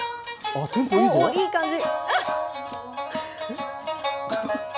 いい感じ。